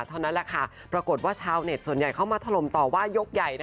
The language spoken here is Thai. เท่านั้นแหละค่ะปรากฏว่าชาวเน็ตส่วนใหญ่เข้ามาถล่มต่อว่ายกใหญ่